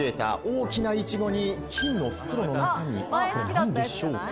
大きなイチゴに金の袋の中身何でしょうか？